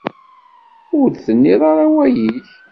Ur d-tenniḍ ara awal-ik.